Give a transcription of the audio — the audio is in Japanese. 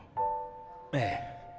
ええ。